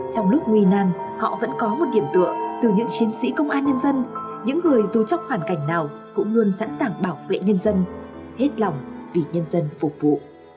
trong lúc nguy nan họ vẫn có một điểm tựa từ những chiến sĩ công an nhân dân những người dù trong hoàn cảnh nào cũng luôn sẵn sàng bảo vệ nhân dân hết lòng vì nhân dân phục vụ